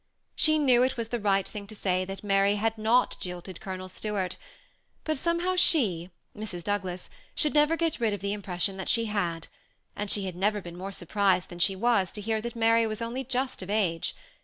She knew it was the right thing to saj that Mary had not jilted Colonel Stuart, but somehow she, Mrs. Douglas, should never get rid of the impression that she had; and she had never been more surprised than she was to hear that Mary was only just of age.